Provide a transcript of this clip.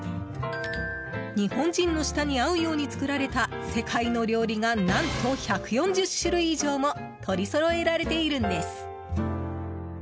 日本人の舌に合うように作られた世界の料理が何と１４０種類以上も取りそろえられているんです。